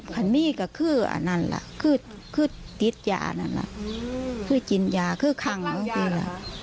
คันมี่ก็คืออันนั้นแหละ